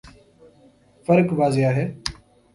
فرق واضح ہے۔